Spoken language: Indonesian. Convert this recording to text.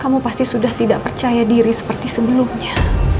kamu pasti sudah tidak percaya diri seperti sebelumnya